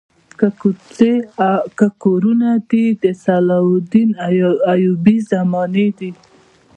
که کوڅې او که کورونه دي د صلاح الدین ایوبي زمانې دي.